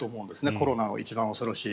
コロナの一番恐ろしい。